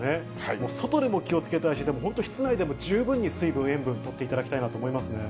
もう外でも気をつけたいし、でも、本当に室内でも十分に水分、塩分とっていただきたいと思いますね。